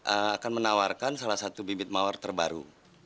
akan menawarkan salah satu bibit mawar terbaru